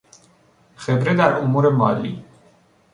خبره در امور مالی